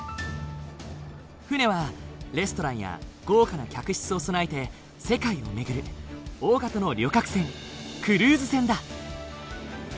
船はレストランや豪華な客室を備えて世界を巡る大型の旅客船クルーズ船だ。